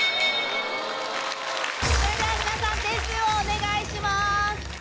それでは皆さん点数をお願いします。